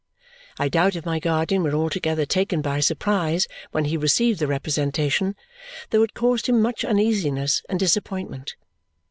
I doubt if my guardian were altogether taken by surprise when he received the representation, though it caused him much uneasiness and disappointment.